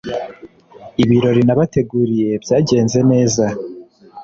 Ibirori nabateguriye byagenze neza.